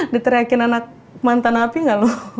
diteriakin anak mantan api gak lo